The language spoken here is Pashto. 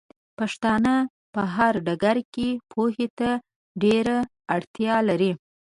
پښتانۀ په هر ډګر کې پوهې ته ډېره اړتيا لري